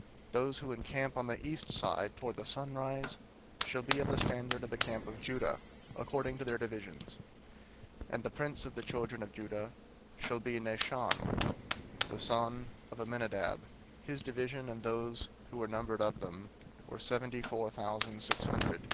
002:003 Those who encamp on the east side toward the sunrise shall be of the standard of the camp of Judah, according to their divisions: and the prince of the children of Judah shall be Nahshon the son of Amminadab. 002:004 His division, and those who were numbered of them, were seventy four thousand six hundred.